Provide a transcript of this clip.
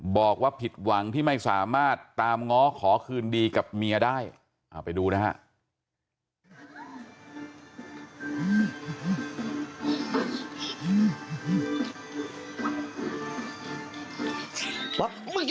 บอกว่าผิดหวังที่ไม่สามารถตามง้อขอคืนดีกับเมียได้ไปดูนะฮะ